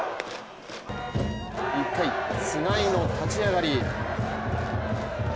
１回、菅井の立ち上がり。